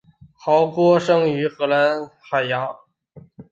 豪敦生于荷兰海牙。